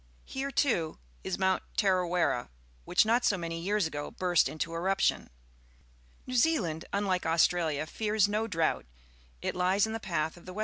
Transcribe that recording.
Here, too, is Mount Tarairera, which not so many years agoBiTrstrTnto eruption. New Zealand, unlike Australia, fears no drought; it hes in the p ath of tbp wp.